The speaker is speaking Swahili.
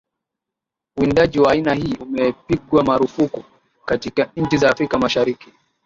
uwindaji wa aina hii umepigwa marufuku katika nchi za Afrika Mashariki